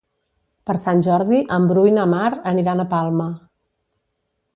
Per Sant Jordi en Bru i na Mar aniran a Palma.